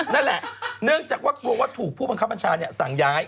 นั่นแหละเนื่องจากว่ากลัวว่าถูกผู้บังคับบัญชาสั่งย้าย